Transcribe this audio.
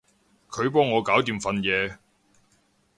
佢幫我搞掂份嘢